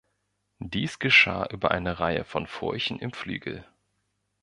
Dies geschah über eine Reihe von Furchen im Flügel.